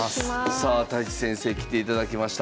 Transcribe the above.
さあ太地先生来ていただきました。